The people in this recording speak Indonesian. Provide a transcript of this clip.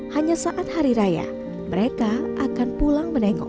hanya saat hari raya mereka akan pulang menengok